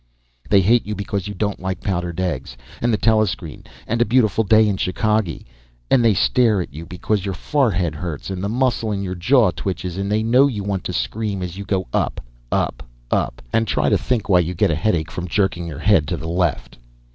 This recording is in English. They hate you because you don't like powdered eggs and the telescreen and a beautiful day in Chicagee. And they stare at you because your forehead hurts and the muscle in your jaw twitches and they know you want to scream as you go up, up, up, and try to think why you get a headache from jerking your head to the left.